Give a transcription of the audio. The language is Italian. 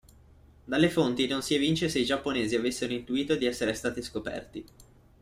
Dalle fonti non si evince se i giapponesi avessero intuito di essere stati scoperti.